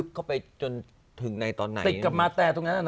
โดยอ่านก่อน